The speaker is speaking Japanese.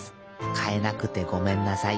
かえなくてごめんなさい。